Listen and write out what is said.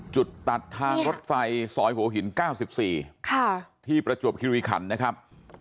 จุดตัดทางรถไฟสอยหัวหินเก้าสิบสี่ค่ะที่ประจวบคิวีคันนะครับ